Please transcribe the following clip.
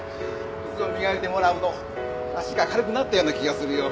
靴を磨いてもらうと足が軽くなったような気がするよ。